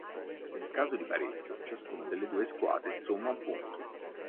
In caso di pareggio ciascuna delle due squadre somma un punto.